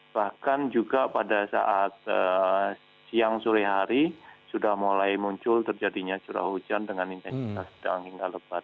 bahkan juga pada saat siang sore hari sudah mulai muncul terjadinya curah hujan dengan intensitas sedang hingga lebat